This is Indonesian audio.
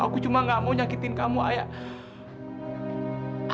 aku cuma gak mau nyakitin kamu ayah